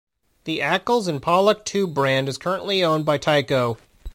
The Accles and Pollock tube brand is currently owned by Tyco.